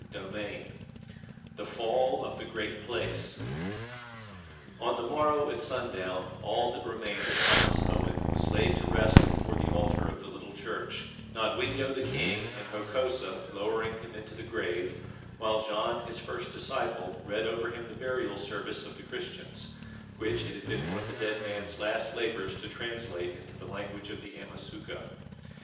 CHAPTER XIX THE FALL OF THE GREAT PLACE On the morrow at sundown all that remained of Thomas Owen was laid to rest before the altar of the little church, Nodwengo the king and Hokosa lowering him into the grave, while John, his first disciple, read over him the burial service of the Christians, which it had been one of the dead man's last labours to translate into the language of the Amasuka.